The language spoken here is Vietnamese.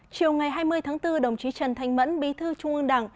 chiều ngày hai mươi tháng bốn đồng chí trần thanh mẫn bí thư trung ương đảng